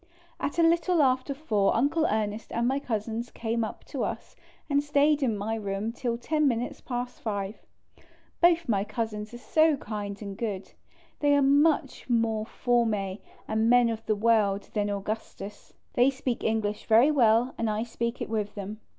At a little after 4 Uncle Ernest and my Cousins came up to us and stayed in my room till 10 minutes past 5. Both my Cousins are so kind and good ; they are much more Jonnes and men of the world than Augustus ; they speak English very well, and 1 speak it with them.